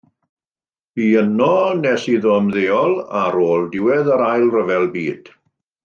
Bu yno nes iddo ymddeol ar ôl diwedd yr Ail Ryfel Byd.